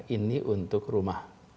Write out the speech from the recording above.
ini untuk rumah